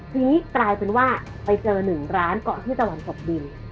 ทีนี้กลายเป็นว่าไปเจอหนึ่งร้านก่อนที่จะวันตกดิน